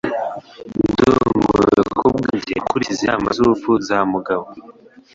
Ndumiwe kubwanjye gukurikiza inama zubupfu za Mugabo.